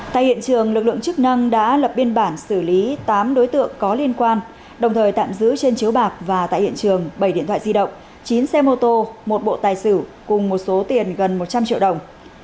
tại hiện trường lực lượng chức năng đã lập biên bản xử lý tám đối tượng có liên quan đồng thời tạm giữ trên chiếu bạc và tại hiện trường bảy điện thoại di động chín xe mô tô một bộ tài xử cùng một số tiền gần một trăm linh triệu đồng